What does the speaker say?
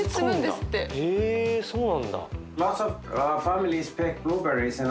へえそうなんだ。